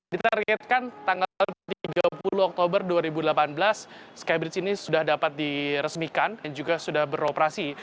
ditargetkan tanggal tiga puluh oktober dua ribu delapan belas skybridge ini sudah dapat diresmikan dan juga sudah beroperasi